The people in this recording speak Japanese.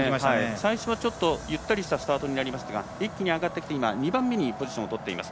最初はゆったりしたスタートでしたが一気に上がってきて、２番目にポジションを取っています。